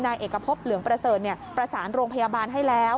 นายเอกพบเหลืองประเสริฐประสานโรงพยาบาลให้แล้ว